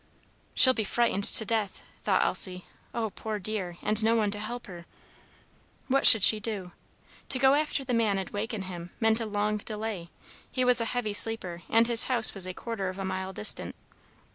"She'll be frightened to death," thought Elsie. "Oh, poor dear, and no one to help her!" What should she do? To go after the man and waken him meant a long delay. He was a heavy sleeper, and his house was a quarter of a mile distant.